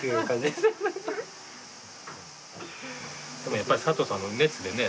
でもやっぱり佐藤さんの熱でね